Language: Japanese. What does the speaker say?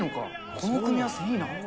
この組み合わせいいな。